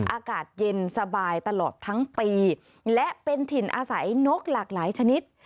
อากาศเย็นสบายตลอดทั้งปีและเป็นถิ่นอาศัยนกหลากหลายชนิด